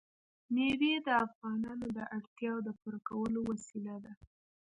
مېوې د افغانانو د اړتیاوو د پوره کولو وسیله ده.